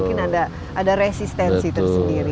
mungkin ada resistensi tersendiri